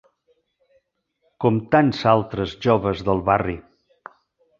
Com tants altres joves del barri.